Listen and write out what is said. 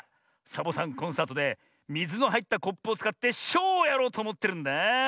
サボさんコンサートでみずのはいったコップをつかってショウをやろうとおもってるんだあ。